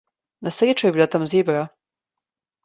Na srečo je bila tam zebra.